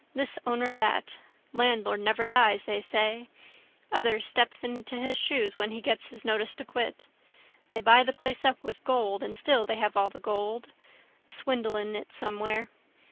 This owner, that. Landlord never dies they say. Other steps into his shoes when he gets his notice to quit. They buy the place up with gold and still they have all the gold. Swindle in it somewhere.